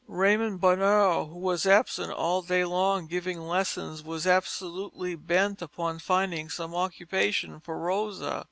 Raymond Bonheur, who was absent all day long giving lessons, was absolutely bent upon finding some occupation for Rosa.